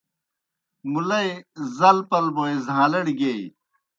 مُلئی زل پل بوئے زھاݩلَڑ گیئی۔